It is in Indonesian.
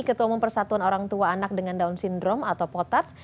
ketua umum persatuan orang tua anak dengan down syndrome atau potats